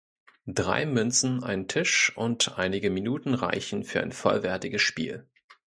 Drei Münzen, ein Tisch und einige Minuten reichen für ein vollwertiges Spiel.